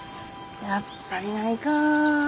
やっぱりないか。